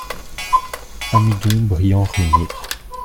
Amidon Brillant Rénier.